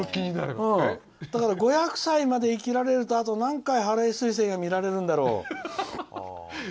だから５００歳まで生きられるとあと何回、ハレー彗星が見られるんだろう。